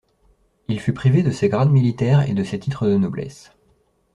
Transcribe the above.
Il fut privé de ses grades militaires et de ses titres de noblesse.